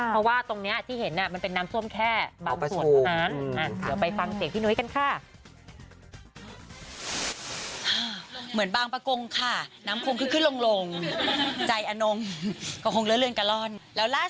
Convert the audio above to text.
เพราะว่าตรงนี้ที่เห็นมันเป็นน้ำซ่วมแค้บางส่วนตรงนั้น